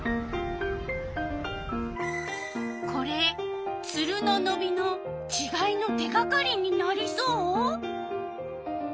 これツルののびのちがいの手がかりになりそう？